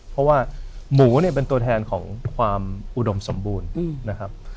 เพราะว่าหมูเนี่ยเป็นตัวแทนของความอุดมสมบูรณ์นะครับ